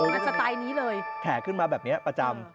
สไตล์นี้เลยแขกขึ้นมาแบบนี้ประจำ